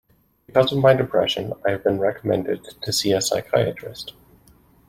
Because of my depression, I have been recommended to see a psychiatrist.